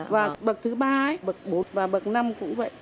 và bậc thứ ba bậc bốn và bậc năm cũng vậy